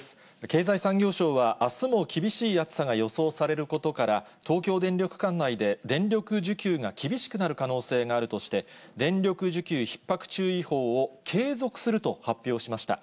経済産業省はあすも厳しい暑さが予想されることから、東京電力管内で電力需給が厳しくなる可能性があるとして、電力需給ひっ迫注意報を継続すると発表しました。